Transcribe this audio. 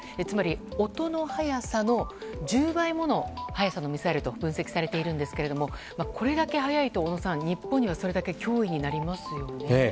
つまり、音の速さの１０倍もの速さのミサイルと分析されているんですけどもこれだけ速いと小野さん、日本にはそれだけ脅威になりますよね。